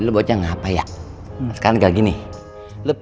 sumpah gak enak nih berapa ingat ya ya yuk